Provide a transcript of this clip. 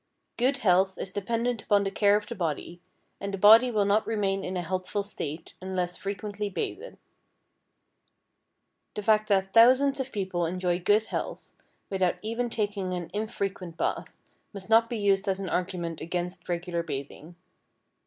Good health is dependent upon the care of the body, and the body will not remain in a healthful state unless frequently bathed. The fact that thousands of persons enjoy good health without even taking an infrequent bath, must not be used as an argument against regular bathing.